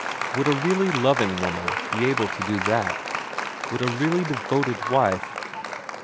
Would a really loving woman be able to do that ? Would a really devoted wife